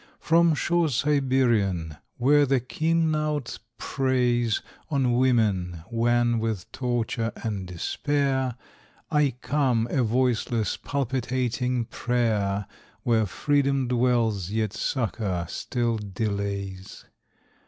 From shores Siberian, where the keen knout preys On women, wan with torture and despair, I come, a voiceless, palpitating prayer, Where Freedom dwells, yet succor still delays.